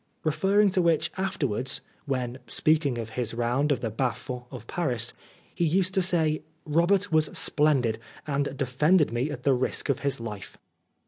Refer ring to which afterwards, when speaking of his round of the bas fonds of Paris, he used to say, " Robert was splendid, and defended me at the risk of his life."